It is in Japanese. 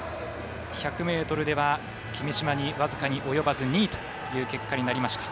１００ｍでは君嶋に僅かに及ばず２位という結果になりました。